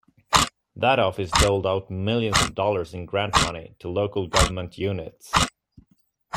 That office doled out millions of dollars in grant money to local government units.